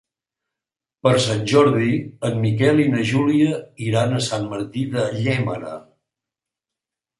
Per Sant Jordi en Miquel i na Júlia iran a Sant Martí de Llémena.